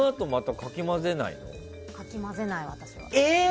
かき混ぜない、私は。